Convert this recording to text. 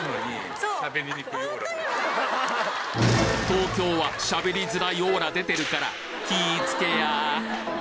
東京はしゃべりづらいオーラ出てるから、気ぃつけや！